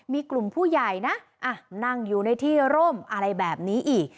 มีกลุ่มผู้ใหญ่นะนั่งอยู่ในที่ร่มอะไรแบบนี้อีก